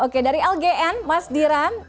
oke dari lgn mas diram